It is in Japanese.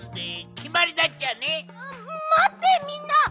まってみんな！